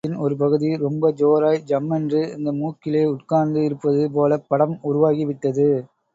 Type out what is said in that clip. பூகோளத்தின் ஒரு பகுதி ரொம்ப ஜோராய் ஜம்மென்று இந்த மூக்கிலே உட்கார்ந்து இருப்பது போலப் படம் உருவாகி விட்டது.